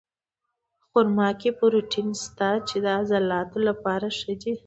په خرما کې پروټین شته، چې د عضلاتو لپاره ښه دي.